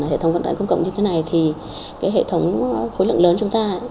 hệ thống vận tải công cộng như thế này thì hệ thống khối lượng lớn chúng ta